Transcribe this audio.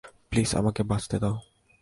Please আমাকে বাঁচতে দাও।